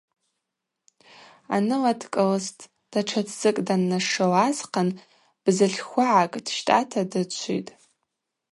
Аныла дкӏылстӏ, датша тдзыкӏ даннашыл асхъан—бзытлхвыгӏакӏ дщтӏата дычвитӏ.